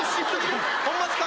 ホンマですか。